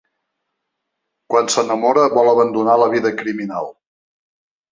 Quan s’enamora, vol abandonar la vida criminal.